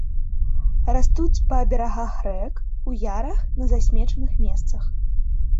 Растуць па берагах рэк, у ярах, на засмечаных месцах.